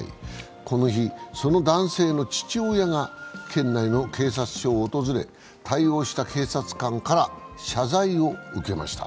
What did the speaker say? この日、その男性の父親が県内の警察署を訪れ対応した警察官から謝罪を受けました。